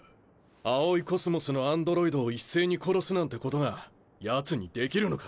葵宇宙のアンドロイドを一斉に殺すなんてことがヤツにできるのか？